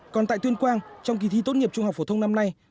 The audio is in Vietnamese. còn tại tuyên quang trong kỳ thi tốt nghiệp trung học phổ thông năm nay